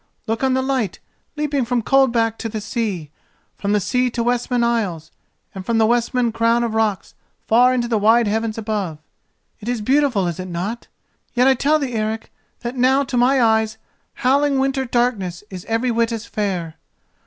Look on the light leaping from Coldback to the sea, from the sea to Westman Isles, and from the Westman crown of rocks far into the wide heavens above. It is beautiful, is it not? Yet I tell thee, Eric, that now to my eyes howling winter darkness is every whit as fair.